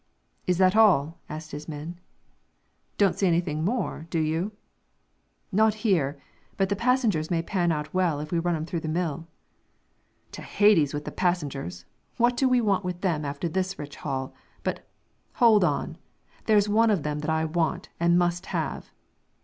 "Is that all?" asked his men. "Don't see anything more, do you?" he demanded. "Not here; but the passengers may pan out well if we run 'em through the mill." "To Hades with the passengers! What do we want with them after this rich haul? But, hold on! There is one of them that I want and must have."